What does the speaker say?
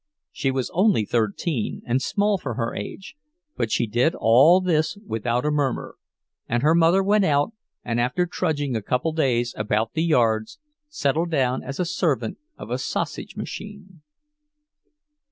She was only thirteen, and small for her age, but she did all this without a murmur; and her mother went out, and after trudging a couple of days about the yards, settled down as a servant of a "sausage machine."